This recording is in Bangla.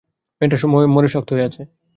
মেয়েটা মরে শক্ত হয়ে আছে।